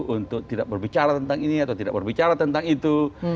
untuk tidak berbicara tentang ini atau tidak berbicara tentang itu